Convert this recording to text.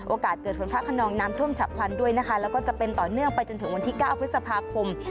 เกิดฝนฟ้าขนองน้ำท่วมฉับพลันด้วยนะคะแล้วก็จะเป็นต่อเนื่องไปจนถึงวันที่๙พฤษภาคม